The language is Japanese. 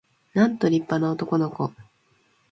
なんと立派な男の子